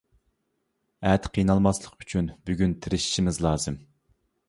ئەتە قىينالماسلىق ئۈچۈن بۈگۈن تىرىشىشىمىز لازىم.